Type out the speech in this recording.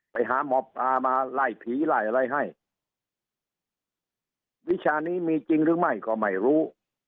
ไปหาหมอปลามาไล่ผีไล่อะไรให้วิชานี้มีจริงหรือไม่ก็ไม่รู้